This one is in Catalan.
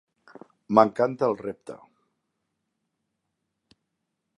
M'encanta el repte.